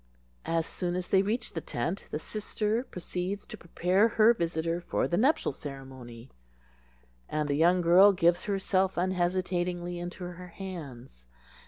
As soon as they reach the tent the sister proceeds to prepare her visitor for the nuptial ceremony, and the young girl gives herself unhesitatingly into her hands.